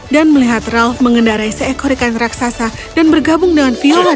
dan melihat ralph mengendarai seekor ikan raksasa dan bergabung dengan viola dalam hiburan